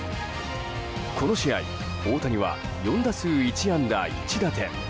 この試合、大谷は４打数１安打１打点。